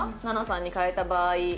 ７さんに変えた場合。